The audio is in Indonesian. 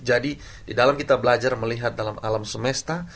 jadi di dalam kita belajar melihat dalam alam semesta